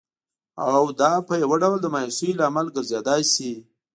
او دا په یوه ډول د مایوسۍ لامل ګرځېدای شي